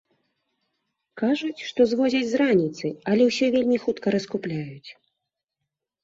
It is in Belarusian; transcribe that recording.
Кажуць, што звозяць з раніцы, але ўсё вельмі хутка раскупляюць.